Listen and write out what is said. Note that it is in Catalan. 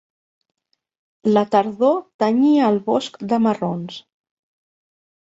La tardor tenyia el bosc de marrons.